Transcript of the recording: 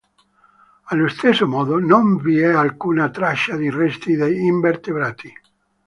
Allo stesso modo, non vi è alcuna traccia di resti di invertebrati.